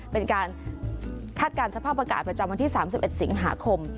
เป็นคาร์ดสภาพประกาศประจำวันที่๓๑สิงหาคม